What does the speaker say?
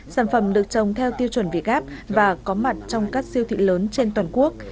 sản phẩm được trồng theo tiêu chuẩn việt gáp và có mặt trong các siêu thị lớn trên toàn quốc